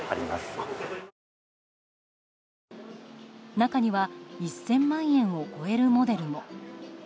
中には１０００万円を超えるモデルも。